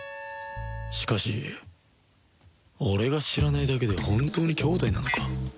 しかし俺が知らないだけで本当に兄妹なのか？